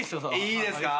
いいですか？